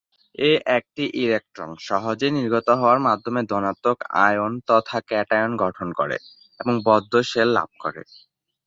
এ একটি ইলেকট্রন সহজেই নির্গত হওয়ার মাধ্যমে ধনাত্মক আয়ন তথা ক্যাটায়ন গঠন করে, এবং বদ্ধ শেল লাভ করে।